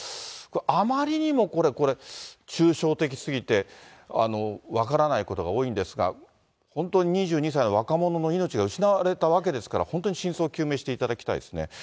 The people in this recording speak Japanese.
あまりにもこれ、抽象的すぎて、分からないことが多いんですが、本当に２２歳の若者の命が失われたわけですから、本当に真相を究明していただきたいですね。